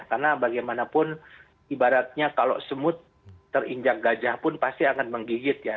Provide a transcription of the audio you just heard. karena bagaimanapun ibaratnya kalau semut terinjak gajah pun pasti akan menggigit ya